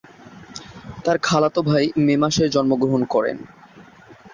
তার খালাতো ভাই মে মাসে জন্মগ্রহণ করে।